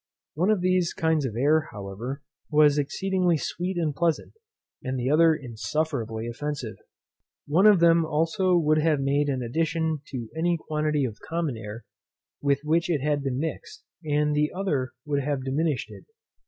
One of these kinds of air, however, was exceedingly sweet and pleasant, and the other insufferably offensive; one of them also would have made an addition to any quantity of common air, with which it had been mixed, and the other would have diminished it.